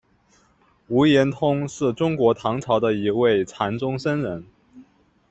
无言通是中国唐朝的一位禅宗僧人。